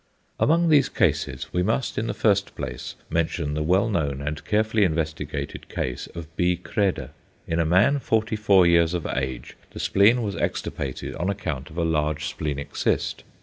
Amongst these cases, we must in the first place mention the well known and carefully investigated case of B. Credé. In a man 44 years of age the spleen was extirpated on account of a large splenic cyst.